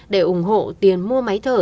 để ủng hộ tiền mua máy thở